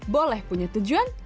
boleh punya tujuan